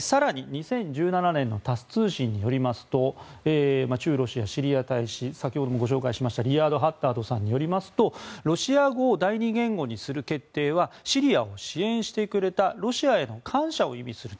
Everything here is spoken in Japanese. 更に２０１７年のタス通信によりますと駐ロシアシリア大使先ほどもご紹介しましたリヤード・ハッダードさんによりますとロシア語を第２言語にする決定はシリアを支援してくれたロシアへの感謝を意味する。